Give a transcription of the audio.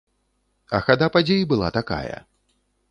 А хада падзей была такая.